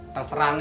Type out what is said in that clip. terserah neng aja